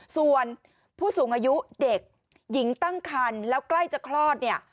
ส่วนผู้สูงอายุเด็กหญิงตั้งคันแล้วใกล้จะคลอดเนี่ย